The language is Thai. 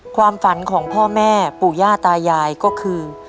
ความฝันของพ่อแม่ปู่ย่าตายายก็คือ